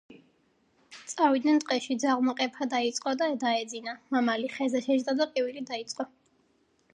წავიდნენ ტყეში. ძაღლმა ყეფა დაიწყო და დაეძინა. მამალი ხეზე შეჯდა და ყივილი დაიწყო.